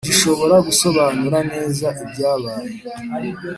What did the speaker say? gishobora gusobanura neza ibyabaye ?